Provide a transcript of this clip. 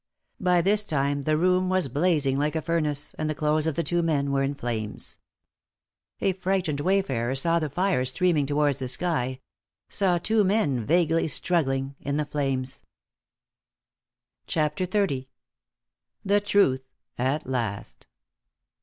By this time the room was blazing like a furnace, and the clothes of the two men were in flames. A frightened wayfarer saw the fire streaming towards the sky saw two men vaguely struggling in the flames. CHAPTER XXX. THE TRUTH AT LAST.